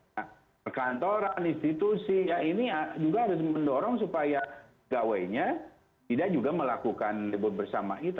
nah perkantoran institusi ya ini juga harus mendorong supaya gawainya tidak juga melakukan libur bersama itu